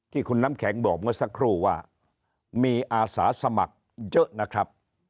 ที่คุณน้ำแข็งบอกเมื่อสักครู่ว่ามีอาสาสมัครเยอะนะครับ